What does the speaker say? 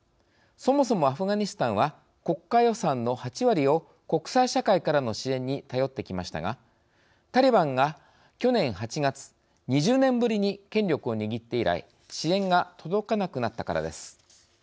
そもそもアフガニスタンは国家予算の８割を国際社会からの支援に頼ってきましたがタリバンが去年８月２０年ぶりに権力を握って以来支援が届かなくなったからです。